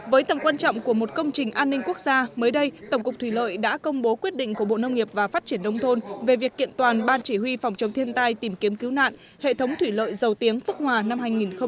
với tầm quan trọng của một công trình an ninh quốc gia mới đây tổng cục thủy lợi đã công bố quyết định của bộ nông nghiệp và phát triển nông thôn về việc kiện toàn ban chỉ huy phòng chống thiên tai tìm kiếm cứu nạn hệ thống thủy lợi dầu tiếng phước hòa năm hai nghìn một mươi chín